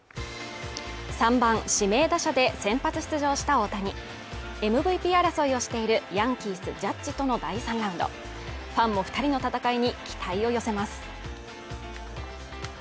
３番指名打者で先発出場した大谷ＭＶＰ争いをしているヤンキースジャッジとの第３ラウンドファンも二人の戦いに期待を寄せます